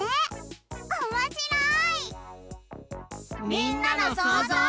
みんなのそうぞう。